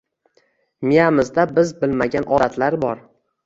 Miyamizda biz bilmagan “odatlar” bor.